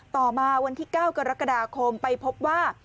ต่อมาวันที่๙กรกฎาคมไปพบว่า